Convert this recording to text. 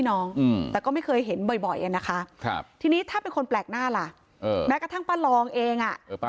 ณตายกับณฝน